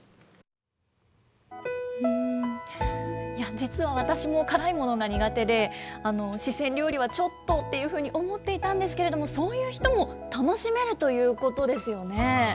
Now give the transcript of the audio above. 実は私も辛いものが苦手で、四川料理はちょっとっていうふうに思っていたんですけれども、そういう人も楽しめるということですよね。